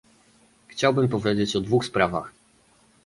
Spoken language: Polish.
Chciałbym powiedzieć o dwóch sprawach